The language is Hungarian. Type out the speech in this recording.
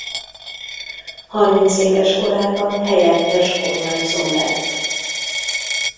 Harmincéves korában helyettes kormányzó lett.